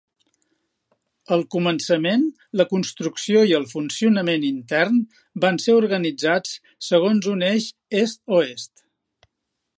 Al començament, la construcció i el funcionament intern van ser organitzats segons un eix est-oest.